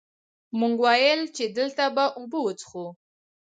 مونږ ويل چې دلته به اوبۀ وڅښو ـ